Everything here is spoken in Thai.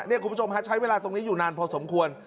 คุณผู้ชมฮะใช้เวลาตรงนี้อยู่นานพอสมควร